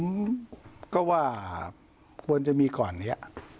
ผมก็ว่าควรจะมีก่อนนี้